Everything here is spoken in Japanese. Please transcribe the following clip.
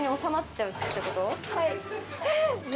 はい。